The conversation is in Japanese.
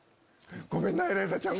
ごめんなエライザちゃん！